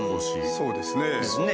そうですね。